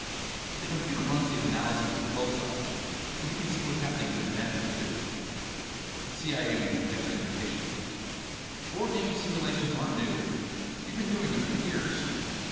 "The computer runs these analyses for both sides, so we can see what's happening to Them, too." The CIA man gestured impatiently. "War games simulations aren't new. You've been doing them for years."